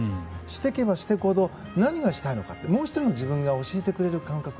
していけば、していくほど何をしたいのかもう１人の自分が教えてくれる感覚。